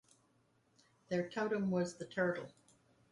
Their totem was the turtle.